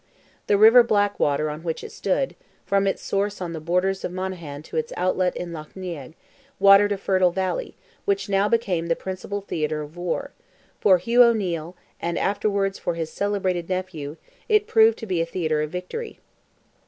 The river Blackwater on which it stood, from its source on the borders of Monaghan to its outlet in Lough Neagh, watered a fertile valley, which now became the principal theatre of war; for Hugh O'Neil, and afterwards for his celebrated nephew, it proved to be a theatre of victory.